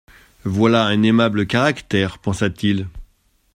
Voilà un aimable caractère, pensa-t-il.